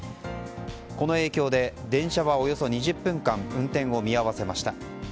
この影響で電車はおよそ２０分間運転を見合わせました。